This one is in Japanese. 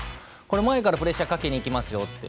前からプレッシャーをかけに行きますよって。